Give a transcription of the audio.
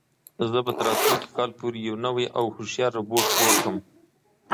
زه به تر راتلونکي کال پورې یو نوی او هوښیار روبوټ جوړ کړم.